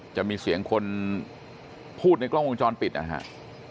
จะมีเสียงคนพูดในกล้องวงจรปิดนะครับ